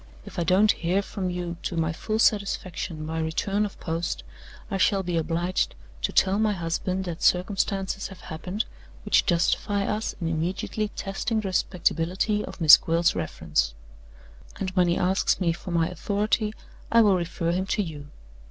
If I don't hear from you to my full satisfaction by return of post, I shall be obliged to tell my husband that circumstances have happened which justify us in immediately testing the respectability of Miss Gwilt's reference. And when he asks me for my authority, I will refer him to you.